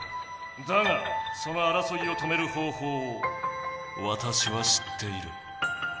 だがそのあらそいを止める方法をわたしは知っている。